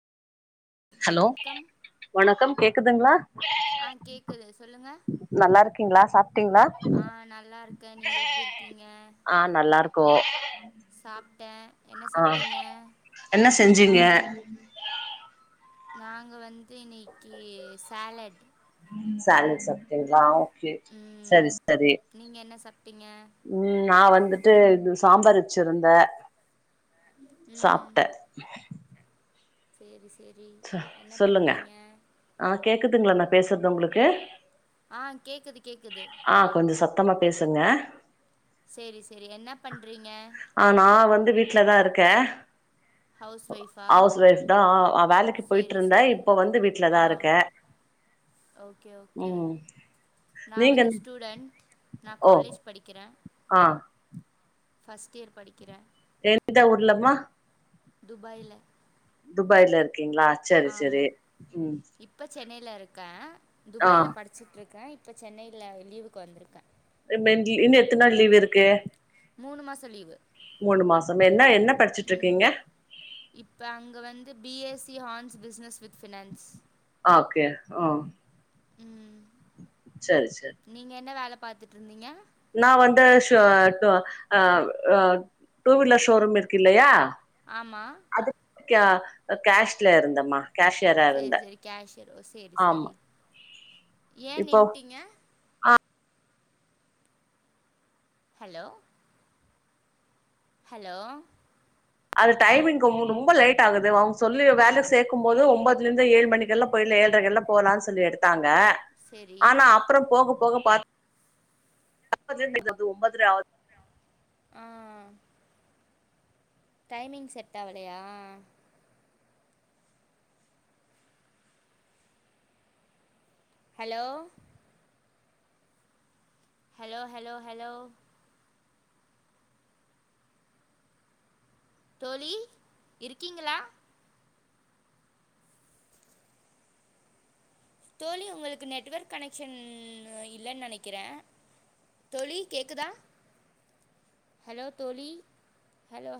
hello வணக்கம் வணக்கம் கேக்குதுங்களா ஆ கேக்குது சொல்லுங்க ங்களா சா ஆ நல்லாருக்கே நீங்க எப்டி இருக்கீங்க கோ சாப்ட்டே என்ன சாப்ட்டீங்க செஞ்சுங்க நாங்க வந்து இன்னைக்கு சாலட் சாலட் சாப்டீங்களா செ ம் சரி சரி நீங்க என்ன சாப்ட்டீங்க ம் நா வந் வந்துட்டு இது சாம்பார் வச்சிருந்த ம் சாப்ட சேரி சே சொ சொல்லுங்க ஆ கேக்குதுங்கள நா பேசுறது உங்களுக்கு ஆ கேக்குது கேக்குது த்தமா பேசுங்க செரி செரி என்ன பண்றீங்க து வீட்டுல தான் இருக்க ஹவுஸ் ஹவுஸ் வைஃப் தா ஆ ஆ வேலைக் செரி செரி ஆ ஓகே ஓகே ம் நா நீங்க வந்து ஸ்டூடண்ட் நா ஓ காலேஜ் படிக்கிறேன் ஆ ஃபர்ஸ்ட் இயர் படிக்கிறேன் எந்த ஊர்லமா துபாயில துபாய்ல இருக் கீங்களா செரி செரி ம் ல இருக்கேன் ஆ துபாய்ல படிச்சிட்ருக்கேன் இப்ப சென்னையில லீவுக்கு வந்திருக்கேன் [unintelligible] இன்னும் எத்தன் நாள் லீவ் இருக்கு மூணு மாசோ லீவு மூணு மாசம் என்ன என்ன படிச்சுட்டு ம் இருக்கீங்க இப்ப அங்க வந்து B S C hons business with finance okay ம் ம் சரி சரி நீங்க என்ன வேலப் பாத்துட்டுருந்தீங்க நா வந்து ஷோ டோ அ அ டூ வீலர் ஷோரூம் இருக்கு இல்லையா ஆமா கா அ கேஷ்ட்ல இருந்தேம்மா செரி செரி கேஷ்யர் ஓ சேரி ஆமா சேரி ஏன் இப்போ நின்ட்டீங்க ஹலோ ஹலோ அது டைமிங்க்கு மூ ரொம்ப லேட் ஆகுது வ அவங்க சொல்லி வேல சேக்கும் போது ஒம்போதுலந்து ஏழு மணிக்கெல்லா போயிட்லா ஏழரைக்க எல்லா போலான் சொல்லி எடுத்தாங்க சேரி ஆனா அப்புறோம் போகப் போக பாத் [unintelligible] ஒம்பதர ஆவுது ஆ டைமிங் செட் ஆவலையா ஹலோ ஹலோ ஹலோ ஹலோ தோழி இருக்கீங்களா தோழி உங்களுக்கு நெட்வொர்க் கனெக்ஷன் இல்லன்னு நெனைக்கிறே தோழி கேக்குதா ஹலோ தோழி ஹலோ